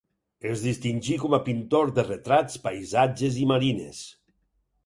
Es distingí com a pintor de retrats, paisatges i marines.